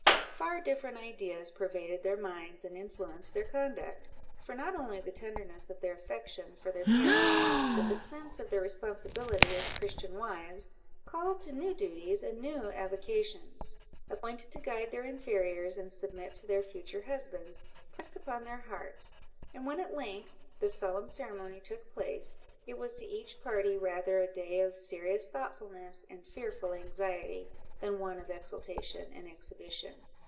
Far different ideas pervaded their minds and influenced their conduct; for not only the tenderness of their affection for their parents, but the sense of their responsibility as Christian wives, called to new duties and new avocations, appointed to guide their inferiors, and submit to their future husbands, pressed upon their hearts; and when at length the solemn ceremony took place, it was to each party rather a day of serious thoughtfulness and fearful anxiety, than one of exultation and exhibition.